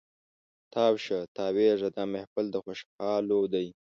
تاو شه تاویږه دا محفل د خوشحالو دی